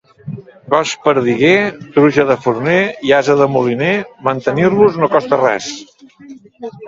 Gos perdiguer, truja de forner i ase de moliner, mantenir-los no costa res.